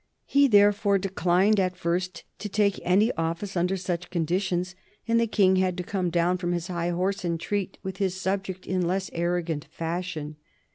He therefore declined at first to take any office under such conditions, and the King had to come down from his high horse and treat with his subject in less arrogant fashion.